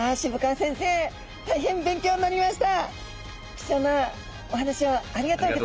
貴重なお話をありがとうございます。